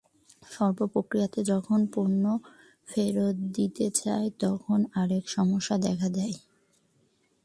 সর্বোপরিক্রেতা যখন পণ্য ফেরত দিতে চায়, তখন আরেক সমস্যা দেখা দেয়।